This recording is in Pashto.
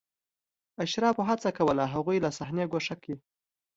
اشرافو هڅه کوله هغوی له صحنې ګوښه کړي.